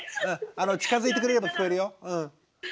近づいてくれれば聞こえるようん。